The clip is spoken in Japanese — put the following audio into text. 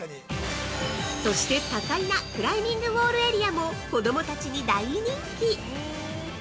◆そして多彩なクライミングウォールエリアも子供たちに大人気。